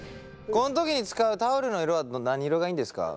この時に使うタオルの色は何色がいいんですか？